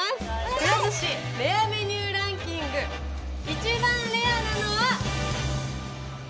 くら寿司レアメニューランキング一番レアなのは？